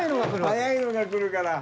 速いのが来るから。